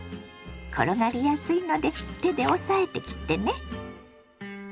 転がりやすいので手で押さえて切ってね。